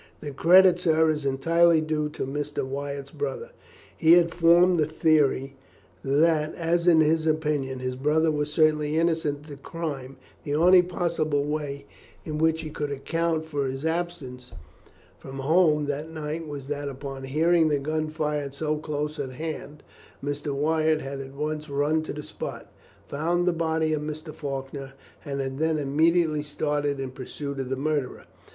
"The credit, sir, is entirely due to Mr. Wyatt's brother. He had formed the theory that, as in his opinion his brother was certainly innocent of the crime, the only possible way in which he could account for his absence from home that night was that, upon hearing the gun fired so close at hand, Mr. Wyatt had at once run to the spot, found the body of Mr. Faulkner, and had then immediately started in pursuit of the murderer.